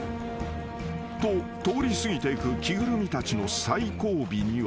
［と通り過ぎていく着ぐるみたちの最後尾には］